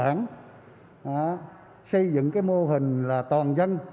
xã bình lợi huyện bình chánh xây dựng mô hình tự phòng tự quản